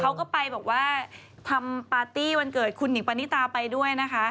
เขาก็ไปบอกว่าทำปาร์ตี้วันเกิดคุณหนิงปานิตาไปด้วยนะคะ